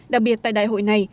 đặc biệt tại đại hội này